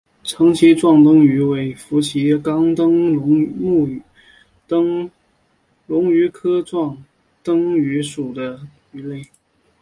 长鳍壮灯鱼为辐鳍鱼纲灯笼鱼目灯笼鱼科壮灯鱼属的鱼类。